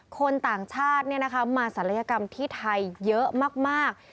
คนต่างชาติมาศัลยกรรมที่ไทยเยอะมาก